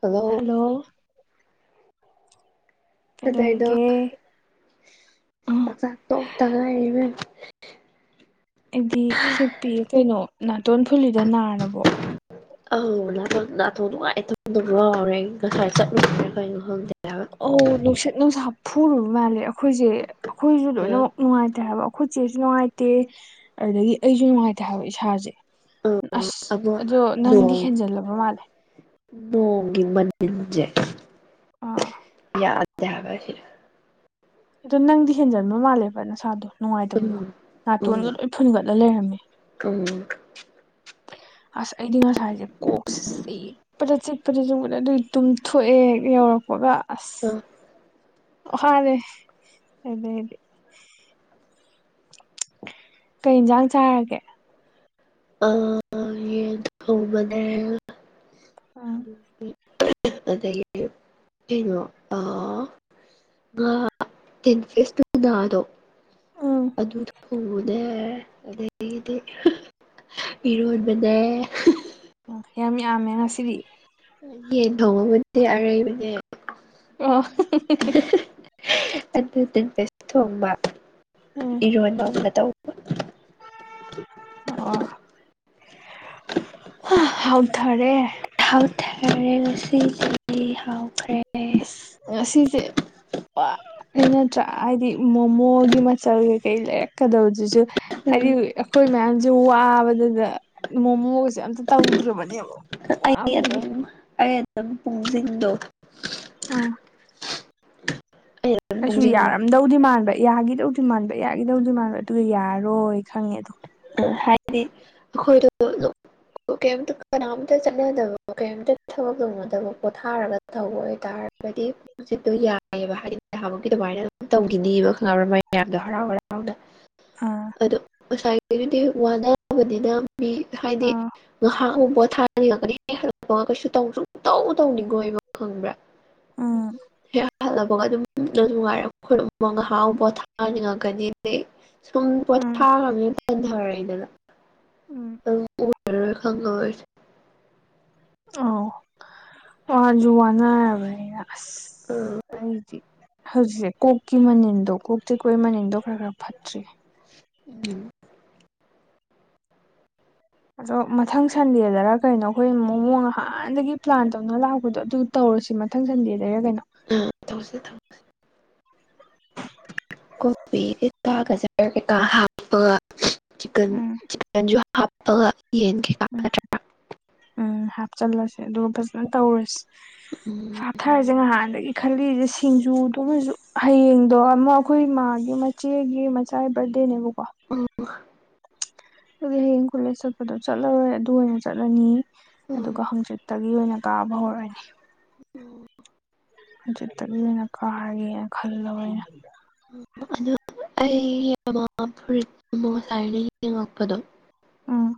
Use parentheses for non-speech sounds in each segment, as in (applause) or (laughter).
hello hello ꯑꯗꯩꯗꯣ ꯀꯩꯗꯧꯒꯦ ꯆꯥꯛ ꯆꯥꯛ ꯇꯣꯛ ꯊꯉꯥꯏ ꯏꯕ ꯑꯩꯗꯤ ꯍꯤꯞꯄꯤ ꯀꯩꯅꯣ ꯅꯥꯇꯣꯟ ꯐꯨꯂꯤꯗꯣ ꯅꯥꯔꯕꯣ ꯑꯪ ꯅꯥꯊꯣꯛ ꯅꯨꯡꯉꯥꯏꯇꯗ ꯌꯥꯥꯎꯔꯦ ꯉꯁꯥꯏ ꯆꯠꯂꯨꯗ꯭ꯔꯦ ꯀꯔꯤꯩꯅꯣ ꯈꯪꯗꯦ ꯍꯥꯏꯕ ꯑꯣ ꯅꯨꯡꯁꯤꯠ ꯅꯨꯡꯁꯥ ꯐꯨꯔꯨꯕ ꯃꯥꯜꯂꯦ ꯑꯩꯈꯣꯏꯁꯦ ꯑꯩꯈꯣꯏꯁꯨ ꯂꯣꯏꯅꯃꯛ ꯅꯨꯡꯉꯥꯏꯇꯦꯕ ꯈꯨꯠꯁꯦꯁꯨ ꯅꯨꯡꯉꯥꯏꯇꯦ ꯑꯗꯨꯗꯒꯤ ꯑꯩꯁꯨ ꯅꯨꯡꯉꯥꯏꯇꯦ ꯍꯥꯏꯕ ꯏꯁꯥꯁꯦ ꯎꯝ ꯑꯁ ꯑꯃ ꯑꯗꯣ ꯅꯪꯗꯤ ꯅꯣꯡ ꯍꯦꯟꯖꯜꯂꯕ ꯃꯥꯜꯂꯦ ꯅꯣꯡꯒꯤ ꯃꯅꯤꯜꯁꯦ ꯑꯥ ꯑꯗꯨꯗ ꯍꯥꯏꯕꯁꯤ ꯑꯗꯣ ꯅꯪꯗꯤ ꯍꯦꯟꯖꯟꯕ ꯃꯥꯜꯂꯦꯕꯅ ꯁꯥꯗ ꯅꯨꯡꯉꯥꯏꯇꯕꯗꯣ ꯎꯝ ꯎꯝ ꯅꯥꯇꯣꯟꯒ ꯂꯣꯏ ꯐꯨꯟꯒꯠꯂ ꯂꯩꯔꯝꯃꯤ ꯑꯁ ꯑꯩꯗꯤ ꯉꯁꯥꯏꯁꯦ ꯀꯣꯛꯁꯦ ꯆꯤꯛꯄꯗ ꯆꯤꯛꯄꯗ ꯆꯨꯝꯕꯗ ꯑꯗꯨꯏ ꯇꯨꯝꯊꯣꯛꯑꯦ ꯌꯧꯔꯛꯄꯒ ꯑꯁ ꯎꯝ ꯑ ꯍꯗꯦ ꯑꯗꯨꯗꯗꯤ ꯀꯩ ꯌꯦꯟꯖꯥꯡ ꯆꯥꯔꯒꯦ ꯑ ꯌꯦꯕꯅꯦ ꯑꯗꯒꯤ ꯑ ꯇ ꯐꯦꯁꯗꯣ ꯎꯝ ꯑꯗꯨ ꯊꯣꯛꯉꯨꯅꯦ ꯑꯗꯨ ꯑꯗꯒꯤꯗꯤ ꯏꯔꯣꯟꯕꯅꯦ ꯑꯣ ꯌꯥꯝ ꯌꯥꯝꯃꯦ ꯉꯁꯤꯗꯤ ꯌꯦꯟ ꯊꯣꯡꯉꯕꯨꯗꯤ ꯑꯔꯩꯕꯅꯦ ꯑꯣ ꯑꯗꯨꯟꯦꯁ ꯊꯣꯡꯕ ꯎꯝ ꯏꯔꯣꯟꯕ ꯑꯃꯒ ꯇꯧꯕ ꯑꯣ ꯍꯥꯎꯊꯔꯦ ꯍꯥꯎꯊꯔꯦ ꯉꯁꯤꯁꯤ ꯍꯥꯎꯈ꯭ꯔꯦ ꯉꯁꯤꯁꯦ ꯄ ꯅꯠꯇ꯭ꯔꯥ ꯍꯥꯏꯗꯤ ꯃꯣꯃꯣꯒꯤ ꯃꯆꯜ ꯀꯩꯀꯩ ꯂꯩꯔꯛꯀꯗꯕꯖꯤꯁꯨ ꯎꯝ ꯍꯥꯏꯗꯤ ꯑꯩꯈꯣꯏ ꯃꯌꯥꯝꯁꯦ ꯋꯥꯕꯗꯨꯗ ꯏ ꯃꯣꯃꯣꯒꯁꯨꯦ ꯑꯝꯇ ꯇꯧꯗ꯭ꯔꯕꯅꯦꯕ ꯑꯩ ꯋꯥꯕꯗꯒꯤ ꯑꯗꯨꯝ ꯑꯩ ꯑꯗꯨꯝ ꯄꯨꯡꯁꯤꯡꯗꯣ ꯑꯥ ꯑꯩ ꯑꯗꯨꯝ ꯑꯩꯁꯨ ꯄꯨꯡꯁꯤꯡ ꯌꯥꯔꯝꯗꯧꯗꯤ ꯃꯥꯟꯕ ꯌꯥꯒꯤꯗꯧꯗꯤ ꯃꯥꯟꯕ ꯌꯥꯒꯤꯗꯧꯗꯤ ꯃꯥꯟꯕ ꯑꯗꯨꯒ ꯌꯥꯔꯔꯣꯏ ꯈꯪꯉꯦ ꯑꯗꯣ ꯍꯥꯏꯗꯤ ꯑꯩꯈꯣꯏꯗ ꯀꯌꯤꯝ ꯀꯅꯥꯝꯇ ꯆꯠꯅꯗꯕ ꯀꯩꯝꯇ ꯊꯕꯛ ꯇꯧꯅꯗꯕ ꯄꯣꯊꯥꯔꯒ ꯇꯧꯕ ꯑꯣꯏꯇꯥꯔꯒꯗꯤ ꯅꯨꯡꯁꯤꯠꯇꯣ ꯌꯥꯏꯑꯕ ꯍꯥꯏꯗꯤ ꯅꯍꯥꯃꯨꯀꯤ ꯑꯗꯨꯃꯥꯏꯅ ꯑꯗꯨꯝ ꯇꯧꯈꯤꯅꯤꯕ ꯈꯪꯕ꯭ꯔ ꯃ ꯃꯌꯥꯝꯗꯣ ꯍꯔꯥꯎ ꯍꯔꯥꯎꯅ (unintelligible) ꯑ ꯑꯗꯣ ꯉꯁꯥꯏꯒꯤꯗꯨꯗꯤ ꯍꯦꯛ ꯋꯥꯅꯥꯕꯅꯤꯅ ꯃꯤ ꯍꯥꯏꯗꯤ ꯑꯥ ꯉꯥꯏꯍꯥꯛ ꯑꯃꯨ ꯄꯣꯠ ꯊꯥꯅꯤꯡꯉꯒꯅꯤ ꯀꯩꯁꯨ ꯇꯧ ꯇꯧ ꯇꯧꯅꯤꯡꯉ ꯀꯣꯏꯕ ꯈꯪꯕ꯭ꯔꯥ ꯎꯝ ꯍꯦꯛ ꯍꯜꯂꯅꯕꯒ ꯑꯗꯨꯝ ꯅꯨꯡꯉꯥꯏꯔ ꯈ ꯍꯥꯎ ꯄꯣꯊꯥꯅꯤꯡꯉꯛꯀꯅꯤꯗ ꯁꯨꯝ ꯎꯝ ꯄꯣꯊꯥꯈ꯭ꯔꯕꯅꯤꯅ ꯇꯟꯊꯔꯦꯗꯅ ꯎꯝ ꯑꯗꯨ ꯎꯔꯔꯣꯏ ꯈꯪꯉꯣꯏ ꯑꯣ ꯃꯥꯁꯨ ꯋꯥꯅꯔꯕꯅꯦ ꯑꯁ ꯑꯥ ꯑꯩꯗꯤ ꯍꯧꯖꯤꯛꯁꯦ ꯀꯣꯛꯀꯤ ꯃꯅꯤꯟꯗꯣ ꯀꯣꯛ ꯇꯤꯔꯤꯀꯣꯏ ꯃꯅꯤꯟꯗꯣ ꯈꯔ ꯈꯔ ꯐꯠꯇ꯭ꯔꯤ ꯎꯝ ꯑꯗꯣ ꯃꯊꯪ ꯁꯟꯗꯦꯗꯔ ꯀꯩꯅꯣ ꯑꯩꯈꯣꯏ ꯃꯃꯡ ꯅꯍꯥꯟꯗꯒꯤ ꯄ꯭ꯂꯥꯟ ꯇꯧꯅ ꯂꯥꯛꯄꯗꯣ ꯑꯗꯨ ꯇꯧꯔꯨꯁꯤ ꯃꯊꯪ ꯁꯟꯗꯦꯗꯩꯔ ꯀꯩꯅꯣ ꯊꯧꯁꯤ ꯊꯧ ꯀꯣꯐꯤ ꯀꯩꯀꯥꯒꯖꯔ ꯀꯩꯀꯥ ꯍꯥꯞꯄ ꯆꯤꯛꯀꯟ ꯎꯝ ꯆꯤꯀꯟꯖꯨ ꯍꯥꯞꯄꯒ ꯌꯦꯟ ꯎꯝ ꯅꯠꯇ꯭ꯔꯥ ꯎꯝ ꯍꯥꯞꯆꯤꯜꯂꯁꯦ ꯑꯗꯨꯒ ꯐꯖꯅ ꯇꯧꯔꯁꯤ ꯎꯝ ꯊꯔꯁꯦ ꯉꯍꯥꯟꯗꯒꯤ ꯈꯜꯂꯤꯁꯦ ꯁꯤꯡꯖꯨꯗꯨꯣꯃꯁꯨ ꯍꯌꯦꯡꯗꯣ ꯑꯃꯨꯛ ꯑꯩꯈꯣꯏ ꯏ ꯃꯥꯒꯤ ꯏꯆꯦꯒꯤ ꯃꯆꯥꯒꯤ ꯕꯥꯔꯗꯦꯅꯦꯕꯀꯣ ꯑꯣ ꯑꯗꯨꯗꯤ ꯍꯌꯦꯡ ꯀꯣꯂꯦꯖ ꯆꯠꯄꯗꯣ ꯆꯠꯂꯔꯣꯏ ꯑꯗꯨ ꯑꯣꯏꯅ ꯆꯠꯂꯅꯤ ꯎꯝ ꯑꯗꯨꯒ ꯍꯪꯆꯠ ꯇꯒꯤ ꯑꯣꯏꯅ ꯀꯥꯕ ꯍꯧꯔꯛꯑꯅꯦ ꯑꯣ ꯍꯧꯖꯤꯠꯇꯕꯤꯅ ꯀꯥꯒꯦꯅ ꯈꯜꯂꯕ ꯑꯩꯅ ꯑꯗꯨ ꯑꯩꯃ ꯐ ꯃꯣ ꯉꯁꯥꯏꯅ ꯌꯦꯡꯉꯛꯄꯗꯣ ꯎꯝ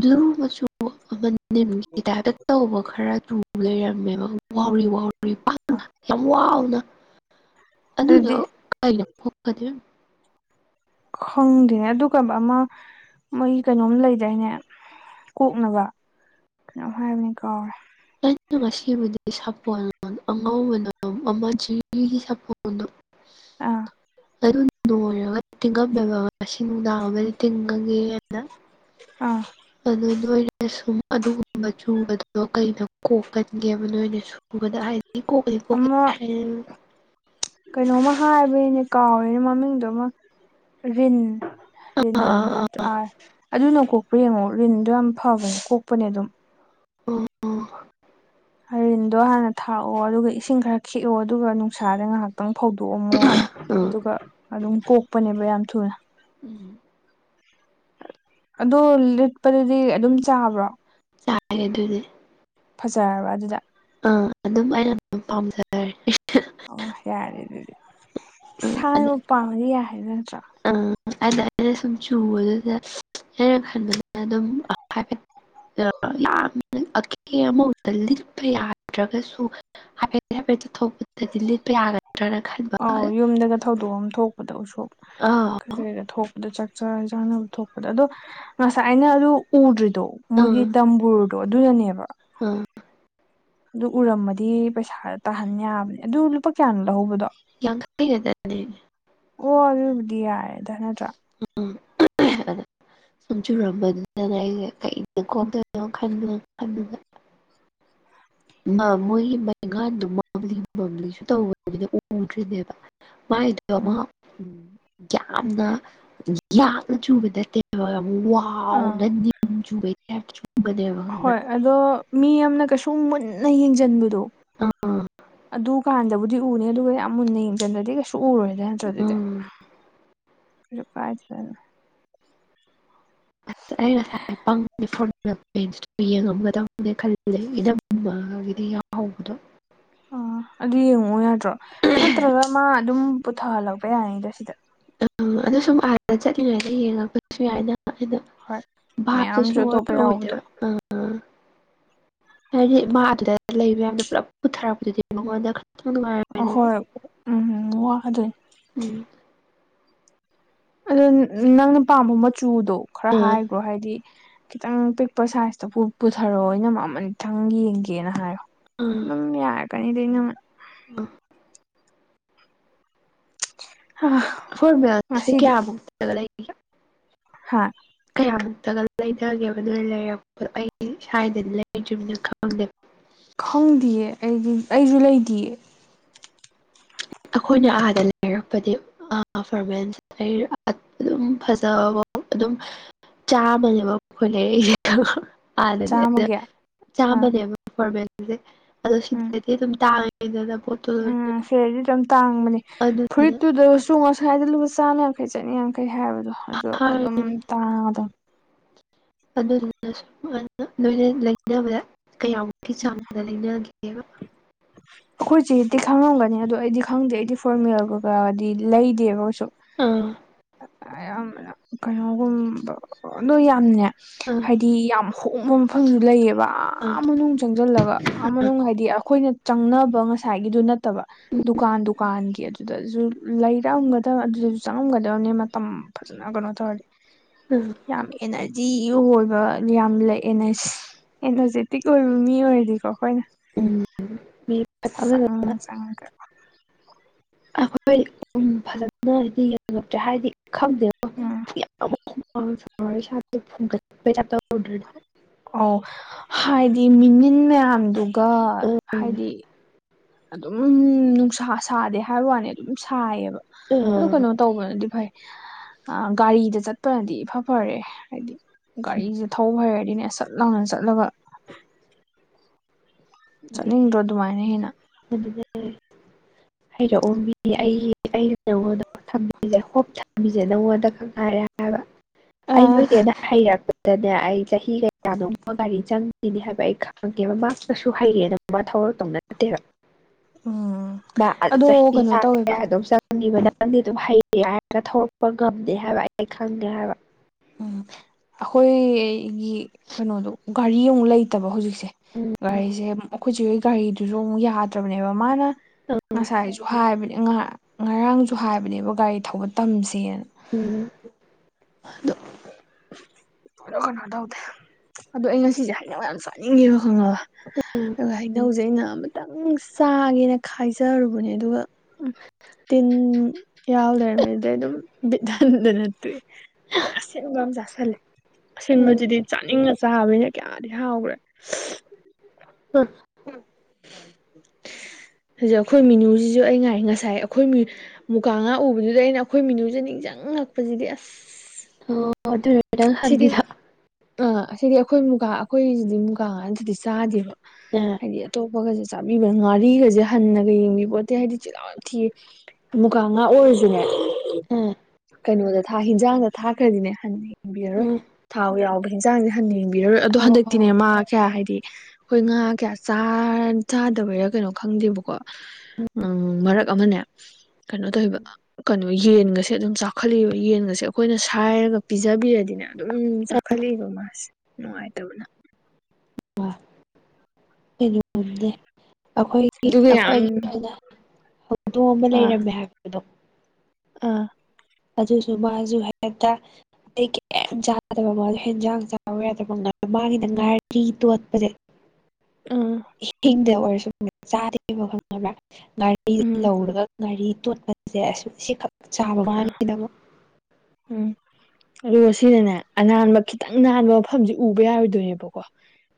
ꯕ꯭ꯂꯨ ꯃꯆꯨ ꯑꯃ ꯅꯤꯝꯒꯤ ꯇꯥꯏꯞꯇ ꯇꯧꯕ ꯈꯔ ꯂꯩꯔꯝꯃꯦꯕ ꯋꯥꯎꯔꯤ ꯋꯥꯎꯔꯔꯤ ꯄꯥꯛꯅ ꯌꯥꯝ ꯋꯥꯅ ꯑꯗꯨꯗꯣꯗ ꯑꯗꯨꯗꯤ ꯈꯪꯗꯦꯅꯦ ꯑꯗꯨꯒꯨꯝꯕ ꯑꯃ ꯃꯣꯏ ꯀꯩꯅꯣꯝ ꯂꯩꯗꯥꯏꯅꯦ ꯀꯣꯛꯅꯕ ꯀꯩꯅꯣ ꯍꯥꯏꯕꯅꯤ ꯀꯥꯎꯔꯦ ꯂꯩꯅ ꯉꯁꯤꯕꯨꯗꯤ ꯁꯥꯄꯣꯟꯜ ꯑꯉꯧꯕꯗꯣ ꯑꯃ ꯖꯤꯕꯤ ꯆꯄꯣ ꯑꯥ ꯑꯗꯨ ꯂꯣꯏꯔꯒ ꯇꯤꯡꯉꯝꯃꯦꯕ ꯁꯤ ꯅꯨꯡꯗꯥꯡ ꯑꯃꯗꯤꯗꯤ ꯇꯤꯡꯉꯒꯦꯅ ꯑꯥ ꯑꯗꯨ ꯅꯣꯏꯅ ꯁꯨꯝ ꯑꯗꯨꯒꯨꯝꯕ ꯆꯨꯕꯗꯨꯗꯣ ꯀꯩꯅꯣ ꯀꯣꯛꯀꯟꯒꯦꯕ ꯅꯣꯏꯅ ꯁꯨꯝ ꯎꯗ ꯍꯥꯏ ꯀꯣ ꯑꯃ ꯀꯩꯅꯣꯝꯃ ꯍꯥꯏꯕꯒꯤꯅꯦ ꯀꯥꯎꯔꯤꯦꯅꯦ ꯃꯃꯤꯡꯗꯨ ꯑꯃ ꯔꯤꯟ ꯔꯤꯟ ꯉ꯭ꯔ ꯑꯥ ꯑꯥ ꯑꯗꯨꯅ ꯀꯣꯛꯄ ꯌꯦꯡꯉꯣ ꯔꯤꯟꯗꯣ ꯌꯥꯝ ꯐꯕꯅꯦ ꯀꯣꯛꯄꯅꯦ ꯑꯗꯨꯝ ꯑꯣ ꯍꯔꯤꯟꯗꯣ ꯍꯥꯟꯅ ꯊꯥꯛꯑꯣ ꯑꯗꯨꯒ ꯏꯁꯤꯡ ꯈꯔ ꯈꯤꯛꯑꯣ ꯑꯗꯨꯒ ꯅꯨꯡꯁꯥꯗ ꯉꯥꯏꯍꯥꯛꯇꯪ ꯐꯧꯗꯣꯛꯑꯝꯃꯣ ꯑꯥ ꯑꯗꯨꯒ ꯑꯗꯨꯝ ꯀꯣꯛꯄꯅꯦꯕ ꯌꯥꯝ ꯊꯨꯅ ꯎꯝ ꯑꯗꯨ ꯂꯤꯠꯄꯗꯗꯤ ꯑꯗꯨꯝ ꯆꯥꯕ꯭ꯔꯣ ꯆꯥꯒꯦ ꯑꯗꯨꯗꯤ ꯐꯖꯔꯕ ꯑꯗꯨꯗ ꯑꯥ ꯑꯗꯨꯝ ꯑꯩꯅ ꯑꯗꯨꯝ ꯄꯥꯝꯖꯔꯦ ꯑꯣ ꯌꯥꯔꯦ ꯑꯗꯨꯗꯤ ꯏꯁꯥꯅꯕꯨ ꯄꯥꯝꯃꯗꯤ ꯌꯥꯏ ꯍꯥꯏꯗ ꯅꯠꯇ꯭ꯔꯣ ꯑꯝ ꯑꯗ ꯑꯩꯅ ꯁꯨꯝ ꯆꯨꯕꯗꯨꯗ ꯂꯩꯩꯅ ꯈꯟꯕꯅꯤꯅ ꯑꯗꯨꯝ ꯍꯥꯏꯐꯦ ꯌꯥꯝꯅ ꯑꯀꯦ ꯑꯃꯗ ꯂꯤꯠꯄ ꯌꯥꯗ꯭ꯔꯒꯁꯨ ꯍꯥꯏꯐꯦꯠꯇ ꯍꯥꯏꯐꯦꯠꯇ ꯊꯣꯛꯄꯗꯗꯤ ꯂꯤꯠꯄ ꯌꯥꯒꯗ꯭ꯔꯅ ꯈꯟꯕ ꯗꯒ ꯊꯧꯗꯣꯛ ꯑꯃ ꯊꯣꯛ ꯀꯗ ꯁꯣ ꯑꯥ ꯀ ꯀꯩꯗ ꯊꯣꯛꯄꯗ ꯆꯥꯛꯆꯥ ꯆꯥꯅꯕ ꯊꯣꯛꯄꯗ ꯑꯗꯣ ꯉꯁꯥꯏ ꯑꯩꯅ ꯑꯗꯨ ꯎꯗ꯭ꯔꯤꯗꯣ ꯃꯣꯏꯒꯤ ꯗꯝꯕꯨꯔꯗꯣ ꯑꯗꯨꯗꯅꯦꯕ ꯑ ꯑꯗꯨ ꯎꯔꯝꯃꯗꯤ ꯄꯩꯁꯥ ꯇꯥꯍꯟ ꯌꯥꯕꯅꯦ ꯑꯗꯨ ꯂꯨꯄꯥ ꯀꯌꯥꯅꯣ ꯂꯧꯍꯧꯕꯗꯣ ꯌꯥꯈꯩꯒꯗꯅꯦ ꯑꯣ ꯑꯗꯨꯕꯨꯗꯤ ꯌꯥꯔꯦꯗ ꯅꯠꯇ꯭ꯔꯥ ꯎꯝ ꯁꯨꯝ ꯆꯨꯔꯝꯕꯅꯤꯗꯅ ꯑꯩꯁꯦ ꯀꯩꯗ ꯈꯣꯛꯗꯅꯣ ꯈꯕꯅ ꯈꯟꯕꯅ (unintelligible) ꯃꯣꯏꯒꯤ ꯕꯩꯒꯥꯟꯗꯣꯕꯂꯤꯕ꯭ꯂꯤꯁꯨ ꯇꯧꯕꯗꯨꯗꯤ ꯎꯗ꯭ꯔꯤꯅꯦꯕ ꯃꯥꯏꯗꯣ ꯎꯝ ꯑꯃ ꯎ ꯌꯥꯝꯅ ꯌꯥꯝꯅ ꯆꯨꯕ ꯅꯠꯇꯦ ꯋꯥ ꯑꯥ ꯅꯗꯤ ꯍꯣꯏ ꯑꯗꯣ ꯃꯤ ꯑꯃꯅ ꯀꯩꯁꯨꯝ ꯃꯨꯟꯅ ꯌꯦꯡꯁꯤꯟꯕꯗꯣ ꯑꯥ ꯑꯗꯨꯀꯥꯟꯗꯕꯨꯗꯤ ꯇꯨꯅꯦ ꯑꯗꯨꯒ ꯌꯥꯝ ꯃꯨꯟꯅ ꯌꯦꯡꯁꯤꯟꯗ꯭ꯔꯗꯤ ꯀꯩꯁꯨ ꯎꯔꯣꯏꯗ ꯅꯠꯇ꯭ꯔꯗꯨꯗꯤ ꯎꯝ (unintelligible) ꯑꯩ ꯉ (unintelligible) ꯄꯦꯟꯁꯇꯨ ꯌꯦꯡꯉꯝꯒꯗꯪꯅꯦ ꯈꯜꯂꯦ ꯏꯝꯒꯤꯗꯤ ꯌꯥꯎꯍꯧꯕꯗꯣ ꯑꯣ ꯑꯗꯨ ꯌꯦꯡꯉꯛꯑꯣ ꯌꯥꯗ꯭ꯔꯣ ꯅꯠꯇ꯭ꯔꯒ ꯃꯥ ꯑꯗꯨꯝ ꯄꯨꯊꯍꯜꯂꯛꯄ ꯌꯥꯅꯤꯗꯣ ꯁꯤꯗ ꯎꯝ ꯑꯗꯣ ꯁꯨꯝ ꯑꯥꯗ ꯆꯠꯂꯤꯉꯩꯗ ꯌꯦꯡꯉꯛꯄꯗꯁꯨ ꯌꯥꯏꯅ ꯑꯗꯣ ꯍꯣꯏ ꯕꯁꯨ ꯃꯌꯥꯝꯁꯨ ꯁꯉ ꯑꯇꯣꯞꯄ ꯌꯥꯎꯕꯗꯣ ꯑꯣꯏꯗꯦꯕ ꯑ ꯑ ꯍꯥꯏꯔꯤ ꯃꯥ ꯑꯗꯨꯗ ꯂꯩ ꯃꯌꯥꯝꯗꯣ ꯄꯨꯂꯞ ꯄꯨꯊꯔꯛꯄꯗꯨꯗꯤ ꯃꯉꯣꯟꯗ ꯈꯔꯇꯪ ꯉꯥꯏ ꯑꯍꯣꯏ ꯎꯝ ꯎꯝ ꯋꯥꯗꯣꯏꯅꯤ ꯎꯝ ꯑꯗꯣ ꯅꯪꯅ ꯄꯥꯝꯕ ꯃꯆꯨꯗꯣ ꯈꯔ ꯑꯥ ꯍꯥꯏ ꯭ꯔꯣ ꯍꯥꯏꯗꯤ ꯈꯤꯇꯪ ꯄꯤꯛꯄ ꯁꯥꯏꯖꯇ ꯄꯨꯊꯔꯛꯑꯣ ꯑꯩꯅ ꯃꯃꯜ ꯈꯤꯇꯪ ꯌꯦꯡꯒꯦꯅ ꯍꯥꯏꯔꯣ ꯅꯪ ꯌꯥ ꯀꯅꯤꯗ ꯅ ꯕꯥ ꯑ ꯈꯣꯏ ꯃꯌꯥꯝꯁꯦ ꯀꯌꯥꯃꯨꯛꯀ ꯂꯩꯒꯦ ꯍꯥꯥ ꯀꯌꯥꯃꯨꯛꯇꯒ ꯂꯩꯊꯒꯦꯕ ꯑꯗꯨ ꯂꯩꯔꯛꯄꯗꯣ ꯑꯩ ꯁ꯭ꯋꯥꯏꯗꯗꯤ ꯂꯩꯗ꯭ꯔꯤꯕꯅ ꯈꯪꯗꯦꯕ ꯈꯪꯗꯌꯦ ꯑꯩ ꯑꯩꯁꯨ ꯂꯩꯗꯤꯌꯦ ꯑꯩꯈꯣꯏꯅ ꯑꯥꯗ ꯂꯩꯔꯦ ꯍꯥꯏꯔꯛꯄꯗꯤ ꯐꯣꯔꯃꯦꯟꯁ ꯑꯗꯨꯝ ꯐꯖ ꯑꯗꯨꯝ ꯆꯥꯃꯅꯦꯕ ꯑꯩꯈꯣꯏ ꯂꯩꯔꯛꯏꯁꯦ ꯍꯥꯟꯅꯗꯤ ꯑꯗꯨꯗ ꯆꯥꯝꯃꯒꯤ ꯑꯥ ꯆꯥꯝꯃꯅꯦꯕ ꯐꯣꯔꯃꯦꯜꯁꯦ ꯑꯗꯣ ꯎꯝ ꯁꯤꯗꯗꯤ ꯑꯗꯨꯝ ꯇꯥꯡꯉꯦ ꯀꯗꯗꯣꯠ ꯎꯝ ꯁꯦꯗꯤ ꯑꯗꯨꯝ ꯇꯥꯡꯕꯅꯦ ꯑꯗꯨꯗꯨꯅ ꯐꯨꯔꯤꯠꯇꯨꯗ ꯆꯣꯡ ꯑꯁ꯭ꯋꯥꯏꯗ ꯂꯨꯄꯥ ꯆꯥꯝꯃ ꯌꯥꯡꯈꯩ ꯆꯅꯤ ꯌꯥꯡꯈꯩ ꯍꯥꯏꯕꯗꯣ ꯑꯗꯨꯗ ꯑꯗꯨꯝ ꯍꯥꯏꯔꯤꯅꯦ ꯇꯥꯡꯉꯗꯕ ꯑꯗꯨꯗꯨꯅꯁꯨꯨꯝꯅ ꯂꯣꯏꯅ ꯂꯩꯅꯕꯗ ꯀꯌꯥꯃꯨꯛꯀꯤ ꯆꯥꯡꯗ ꯂꯩꯅꯒꯦ ꯑꯗꯨꯒ ꯑꯩꯈꯣꯏ ꯆꯦꯗꯤ ꯈꯪꯉꯝꯒꯅꯤ ꯑꯗꯣ ꯑꯩꯗꯤ ꯈꯪꯗꯦ ꯑꯩꯗꯤ ꯐꯣꯔꯃꯦꯜꯒꯀꯥꯗꯤ ꯂꯩꯗꯦꯕ ꯀ ꯑꯥ ꯌꯥꯝꯅ ꯀꯩꯅꯣꯒꯨꯝꯕ ꯑꯗꯨ ꯌꯥꯝꯅꯦ ꯑꯥ ꯍꯥꯏꯗꯤ ꯁꯤ ꯌꯥꯝ ꯍꯣꯡꯕ ꯃꯐꯝꯁꯨ ꯂꯩꯌꯦꯕ ꯑꯥ ꯃꯅꯨꯡ ꯆꯪꯁꯤꯜꯂꯒ ꯑꯥ ꯃꯅꯨꯡ ꯍꯥꯏꯗꯤ ꯑꯩꯈꯣꯏꯅ ꯆꯪꯅꯕ ꯉꯁꯥꯏꯒꯤꯗꯨ ꯅꯠꯇꯕ ꯗꯨꯀꯥꯟ ꯗꯨꯀꯥꯟꯒꯤ ꯑꯗꯨ ꯑꯗꯨꯗꯁꯨ ꯂꯩꯔꯛꯑꯒꯗꯕ ꯑꯗꯨꯗꯁꯨ ꯆꯪꯉꯝꯒꯗꯕꯅꯤ ꯃꯇꯝ ꯐꯖꯅ ꯀꯩꯅꯣ ꯇꯧꯔꯗꯤ ꯎꯝ ꯌꯥꯝ ꯑꯦꯅꯔꯖꯤ ꯑꯣꯏꯕ ꯌꯥꯝ ꯂꯩꯑꯅ ꯑꯦꯅꯔꯖꯦꯇꯤꯛ ꯑꯣꯏꯕ ꯃꯤ ꯑꯣꯏꯔꯗꯤꯀꯣ ꯑꯩꯈꯣꯏꯅ ꯎꯝ ꯐꯖꯅ (unintelligible) ꯆꯥꯡꯒ ꯑꯩꯈꯣꯏ ꯑꯗꯨꯝ ꯐꯖꯅ ꯍꯥꯏꯗꯤꯡꯉꯛꯇ꯭ꯔꯦ ꯎꯝ ꯍꯥꯏꯗꯤ ꯈꯪꯗꯦꯀ ꯁꯥ ꯁꯆ ꯑꯣꯔꯦ ꯑꯣ ꯍꯥꯏꯗꯤ ꯃꯤꯃꯤꯟ ꯃꯌꯥꯝꯗꯨꯒ ꯍꯥꯏꯗꯤ ꯑꯗꯨꯝ ꯅꯨꯡꯁꯥ ꯁꯥꯗꯦ ꯍꯥꯏꯕ ꯋꯥꯅꯤ ꯑꯗꯨꯝ ꯁꯥꯏꯌꯦꯕ ꯑꯗꯨ ꯀꯩꯅꯣ ꯑꯥ ꯇꯧꯕꯅꯗꯤ ꯐꯩ ꯒꯥꯔꯤꯗ ꯆꯠꯄꯅꯗꯤ ꯏꯐ ꯐꯔꯦ ꯍꯥꯏꯗꯤ ꯒꯥꯔꯤꯁꯦ ꯍꯩꯔꯗꯤꯅꯦꯁ ꯆꯠ ꯂꯥꯎꯅ ꯆꯠꯂꯒ ꯆꯠꯅꯤꯡꯗ꯭ꯔꯣ ꯑꯗꯨꯃꯥꯏꯅ ꯍꯦꯟꯅ ꯑꯗꯨ ꯍꯩꯔꯛꯑꯣ ꯃꯤꯗꯤ ꯑꯩꯒꯤ ꯑꯩꯩꯅ ꯅꯪꯉꯣꯟꯗ ꯍꯣꯞ ꯊꯝꯕꯤꯁꯦ ꯅꯪꯉꯣꯟꯗ ꯈꯛ ꯉꯔꯦ ꯍꯥꯏꯕ ꯑꯩ ꯅꯣꯏꯗꯦꯗ ꯍꯩꯔꯛꯄ ꯑꯗꯨꯅꯦ ꯑꯩ ꯆꯍꯤ ꯀꯌꯥꯅꯣꯕ ꯒꯥꯔꯤ ꯆꯪꯈꯤꯅꯦ ꯍꯥꯏꯕ ꯑꯩ ꯈꯪꯉꯦ ꯊꯧꯔꯛꯇꯧꯅ ꯅꯠꯇꯦꯕ ꯎꯝ ꯑꯗꯣ ꯆꯍꯤ ꯀꯩꯅꯣ ꯇꯧꯋꯦꯕ ꯐꯪꯉꯤꯕ ꯅꯪꯗꯤ ꯑꯗꯨꯝ ꯍꯩꯔꯦ ꯍꯥꯏꯔꯒ ꯊꯧꯔꯛꯄ ꯉꯝꯗꯦ ꯍꯥꯏꯕ ꯑꯩ ꯈꯪꯉꯦ ꯍꯥꯏꯕ ꯎꯝ ꯑꯩꯈꯣꯏꯒꯤ ꯀꯩꯅꯣꯗꯣ ꯒꯥꯔꯤ ꯑꯃꯨꯛ ꯂꯩꯇꯕ ꯍꯧꯖꯤꯛ ꯎꯝ ꯒꯥꯔꯤꯁꯦ ꯑꯩꯈꯣꯏꯆꯦ ꯒꯥꯔꯤꯗꯨꯁꯨ ꯑꯃꯨꯛ ꯌꯥꯗ꯭ꯔꯕꯅꯦꯕ ꯃꯥꯅ ꯉꯁꯥꯏꯁꯨ ꯍꯥꯏꯕꯅꯦ ꯉ ꯉꯔꯥꯡꯁꯨ ꯍꯥꯏꯕꯅꯦꯕ ꯒꯥꯔꯤ ꯊꯧꯕ ꯇꯝꯁꯦꯅ ꯎꯝ (inaudible) ꯀꯩꯅꯣ ꯀꯩꯅꯣ ꯇꯧꯗꯦ ꯑꯗꯣ ꯑꯩ ꯉꯁꯤꯁꯦ ꯍꯩꯅꯧ ꯌꯥꯝ ꯆꯥꯅꯤꯡꯉꯦꯕ ꯈꯪꯉꯕ ꯎꯝ ꯑ ꯍꯩꯅꯧꯁꯦ ꯑꯩꯅ ꯈꯤꯇꯪ ꯆꯥꯒꯦꯅ ꯈꯥꯏꯖꯔꯨꯕꯅꯦ ꯑꯗꯨꯒ ꯎꯝ ꯇꯤꯟ ꯌꯥꯎ ꯂꯩꯔꯝꯃꯦ ꯑꯗꯩ ꯑꯗꯨꯝ ꯕꯤꯠ ꯍꯟꯗꯅ ꯇꯣꯛꯑꯦ ꯑꯁꯤꯟꯕ ꯑꯃ ꯆꯁꯂꯦ ꯎꯝ ꯑꯁꯤꯟꯕꯗꯨꯗꯤ ꯆꯥꯅꯤꯡꯅ ꯆꯥꯕꯅꯤꯅ ꯀꯌꯥꯗꯤ ꯍꯥꯎꯈ꯭ꯔꯦ (inaudible) ꯍꯧꯖꯤꯛ ꯑꯩꯈꯣꯏ ꯃꯤꯅꯨꯁꯤꯁꯨ ꯑꯩ ꯉꯥꯏ ꯉꯁꯥꯏ ꯑꯩꯈꯣꯏ ꯃꯨꯀꯥ ꯉꯥ ꯎꯕꯗꯨꯗ ꯑꯩꯅ ꯑꯩꯈꯣꯏ ꯃꯤꯅꯨꯁꯦ ꯅꯤꯡꯁꯤꯡꯉꯛꯄꯁꯤꯗꯤ ꯑꯁ (inaudible) ꯅꯪ ꯁꯤꯗꯤ ꯍꯪꯉꯤꯗꯣ ꯑꯥ ꯁꯤꯗꯤ ꯑꯩꯈꯣꯏ ꯃꯨꯒꯥ ꯑꯩꯈꯣꯏꯁꯤꯗꯤ ꯃꯨꯒꯥꯉꯥ ꯅꯠꯇꯗꯤ ꯆꯥꯗꯦꯕ (unintelligible) ꯍꯥꯏꯗꯤ ꯑꯇꯣꯞꯄꯒꯁꯦ ꯆꯥꯕꯤꯕ ꯉꯥꯔꯤꯒꯁꯦ ꯍꯟꯅꯒ ꯌꯦꯡꯕꯤ ꯄꯣꯠꯇꯦ ꯍꯥꯏꯗꯤ ꯆꯤꯜꯍꯥꯎ ꯌꯥꯝ ꯊꯤꯌꯦ ꯃꯨꯒꯥ ꯉꯥ ꯑꯣꯏꯔꯁꯨꯅꯦ ꯑ ꯀꯩꯅꯣꯗ ꯊꯥ ꯍꯤꯟꯖꯥꯡꯗ ꯊꯥꯈ꯭ꯔꯗꯤꯅꯦ ꯍꯟ ꯌꯦꯡꯕꯤꯔꯔꯣꯏ ꯎꯝ ꯊꯥꯎ ꯌꯥꯎꯕ ꯍꯟꯁꯥꯡꯁꯦ ꯍꯟꯅ ꯌꯦꯡꯕꯤꯔꯔꯣꯏ ꯑꯗꯣ ꯑꯧ ꯑꯧ ꯍꯟꯗꯛꯇꯤꯅꯦ ꯃꯥ ꯀꯌꯥ ꯍꯥꯏꯗꯤ ꯑꯩꯈꯣꯏ ꯉꯥ ꯀꯌꯥ ꯆꯥꯗꯕꯩꯔꯥ ꯀꯩꯅꯣ ꯈꯪꯗꯦꯕꯀꯣ ꯎꯝ ꯃꯔꯛ ꯑꯃꯅꯦ ꯀꯩꯅꯣ ꯇꯧꯕ ꯀꯩꯅꯣ ꯌꯦꯟꯒꯁꯦ ꯑꯗꯨꯝ ꯆꯥꯎꯈꯠꯂꯦꯕ ꯌꯦꯟꯒꯁꯦ ꯑꯩꯈꯣꯏꯅ ꯁꯥꯏꯔꯒ ꯄꯤꯖꯕꯤꯔꯗꯤꯅꯦ ꯑꯗꯨꯝ ꯆꯥꯛꯈꯠꯂꯛꯏꯕ ꯃꯥꯁꯦ ꯅꯨꯡꯉꯥꯏꯇꯕꯅ (inaudible) ꯑꯩꯈꯣꯏꯒꯤ ꯑꯗꯨꯒ ꯌꯥꯝ ꯑꯩꯈꯣꯏꯒꯤ ꯑꯣꯏꯅ ꯍꯧꯗꯣꯡ ꯑꯃ ꯑꯥ ꯂꯩꯔꯝꯃꯦ ꯍꯥꯏꯕ ꯑꯗꯣ ꯑꯥ ꯑꯗꯨꯁꯨ ꯃꯥꯁꯨ ꯍꯦꯛꯇ ꯑꯩ ꯀꯩꯝ ꯆꯥꯗꯕ ꯃꯣꯗꯣ ꯍꯦꯟꯖꯥꯡ ꯆꯥꯎ ꯌꯥꯗꯕꯥ ꯃꯥꯒꯤꯅ ꯉꯥꯔꯤ ꯇꯣꯠꯄꯁꯦ ꯎꯝ ꯍꯤꯡꯅ ꯑꯣꯏꯔꯁꯨ ꯆꯥꯗꯦꯕ ꯈꯪꯉꯕ꯭ꯔꯥ ꯉꯥꯔꯤ ꯎꯝ ꯂꯧꯔꯒ ꯉꯥꯔꯤ ꯇꯣꯠꯄꯁꯦ ꯑꯁ ꯁꯤ ꯈꯛ ꯆꯥꯕ ꯃꯥꯒꯤꯅꯃꯛ ꯎꯝ ꯑꯗꯨꯒ ꯁꯤꯅꯅꯦ ꯑꯅꯥꯟꯕ ꯈꯤꯇꯪ ꯅꯥꯟꯕ ꯃꯐꯝꯁꯤ ꯎꯕ ꯌꯥꯔꯣꯏꯗꯣꯏꯅꯦꯕꯀꯣ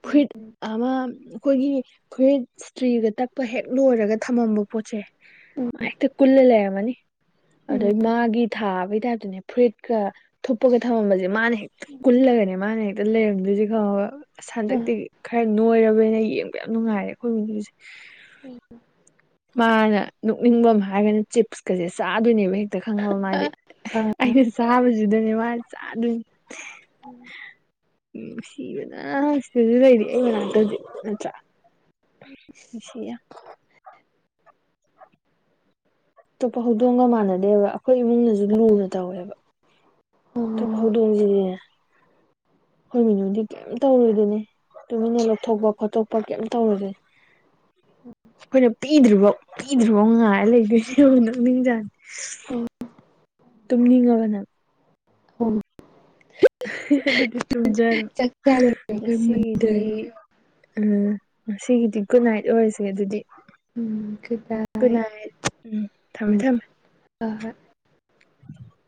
ꯐꯨꯔꯤꯠ ꯑꯃ ꯑꯩꯈꯣꯏꯒꯤ ꯑꯩꯈꯣꯏ ꯏꯁꯇ꯭ꯔꯤꯒ ꯇꯛꯄ ꯍꯦꯛ ꯂꯣꯏꯔꯒ ꯊꯝꯃꯝꯕ ꯄꯣꯠꯁꯦ ꯎꯝ ꯃꯥ ꯍꯦꯛꯇ ꯀꯨꯜꯂ ꯂꯩꯔꯝꯃꯅꯤ ꯑꯗꯩ ꯎꯝ ꯃꯥꯒꯤ ꯊꯥꯕꯒꯤ ꯇꯥꯏꯞꯇꯅꯦ ꯐꯨꯔꯤꯠꯀ ꯊꯨꯞꯄꯒ ꯊꯝꯃꯝꯕꯁꯦ ꯃꯥꯅ ꯍꯦꯛ ꯀꯜꯂꯒꯅꯦ ꯃꯥꯅꯦ ꯂꯩꯔꯝꯗꯣꯏꯁꯦ ꯈꯪꯉꯕ ꯑꯁ ꯍꯟꯗꯛꯇꯤ ꯈꯔ ꯅꯣꯏꯔꯕꯅꯤꯅ ꯌꯦꯡꯕ ꯌꯥꯝ ꯅꯨꯡꯉꯥꯏꯔꯦ ꯑꯩꯈꯣꯏ ꯃꯤꯅꯨꯁꯦ ꯃꯥꯅ ꯅꯣꯛꯅꯤꯡꯕꯃ ꯍꯥꯏꯔꯒꯅ ꯆꯤꯞꯁꯀꯁꯦ ꯆꯥꯗꯣꯏꯅꯦꯕ ꯍꯦꯛ ꯇ ꯈꯪꯉꯕ ꯃꯥꯗꯤ ꯑꯩꯩꯅ ꯆꯥꯕꯁꯤꯗꯅꯦ ꯃꯥ ꯆꯥꯗꯣꯏꯅꯤ ꯎꯝ ꯎꯝ ꯅꯨꯡꯁꯤꯕꯅ ꯍꯧꯖꯤꯛꯁꯨ ꯂꯩꯔꯤ ꯑꯩ ꯃꯅꯥꯛꯇ ꯍꯧꯖꯤꯛ ꯅꯠꯇ꯭ꯔꯥ (unintelligible) ꯑꯇꯣꯞꯄ ꯍꯧꯗꯣꯡꯒ ꯃꯥꯟꯅꯗꯦꯕ ꯑꯩꯈꯣꯏ ꯏꯃꯨꯡꯅꯁꯨ ꯂꯨꯅ ꯇꯧꯋꯦꯕ ꯑꯇꫭꯞꯄ ꯎꯝ ꯍꯧꯗꫭꯡꯗꯤꯅꯦ ꯑꯈꫭꯏ ꯃꯤꯅꯨꯗꯤ ꯀꯩꯝ ꯇꯧꯗꯦꯍꯦ ꯇꯨꯃꯤꯟꯅ ꯂꯧꯊꯣꯛꯄ ꯈꯣꯠꯇꯣꯛꯄ ꯀꯩꯝ ꯇꯧꯗꯦ ꯑꯩꯈꯣꯏꯅ ꯄꯤꯗ꯭ꯔꯤꯕꯧ ꯄꯤꯗ꯭ꯔꯤꯕꯧ ꯉꯥꯏꯔ ꯂꯩꯗꯣꯏꯅꯤ ꯅꫭꯛꯅꯤꯡ ꯖꯥꯠꯅꯤ ꯎꯝ ꯇꯨꯝꯅꯤꯡꯉꯕꯅꯪ ꯎꯝ ꯑꯗꯨꯗꯤ ꯇꯨꯝꯖꯔꫭ ꯆꯥꯛ ꯆꯥ ꯂꯣꯏꯔꯒ ꯉꯁꯤꯒꯤꯗꯤ ꯃꯨꯟꯗꯔꯦ ꯎꯝ ꯁꯤꯒꯤꯗꯤ ꯒꯨꯠ ꯅꯥꯏꯠ ꯑꯣꯏꯔꯁꯦ ꯑꯗꯨꯗꯤ ꯎꯝ ꯒꯨꯠ ꯅꯥꯏꯠ ꯒꯨꯠ ꯅꯥꯏꯠ ꯎꯝ ꯊꯝꯃꯦ ꯎꯝ ꯊꯝꯃꯦ ꯍꯣꯏ ꯍꯣꯏ (inaudible)